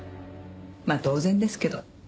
まあ当然ですけど。